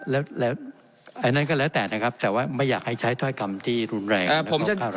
แล้วอันนั้นก็แล้วแต่นะครับแต่ว่าไม่อยากให้ใช้ถ้อยคำที่รุนแรง